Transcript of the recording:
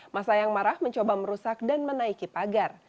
masa yang marah mencoba merusak dan menaiki pagar